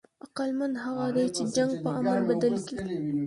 عقلمند هغه دئ، چي جنګ په امن بدل کي.